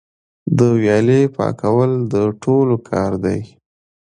د ویالې پاکول د ټولو کار دی؟